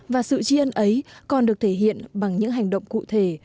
và sự tri ân ấy còn được thể hiện bằng những hành động cụ thể